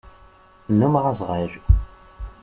Nnumeɣ azɣal.